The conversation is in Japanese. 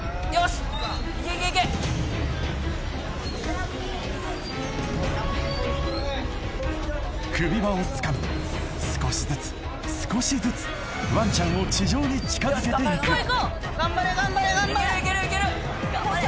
しいけいけいけ首輪をつかみ少しずつ少しずつワンちゃんを地上に近づけていく頑張れ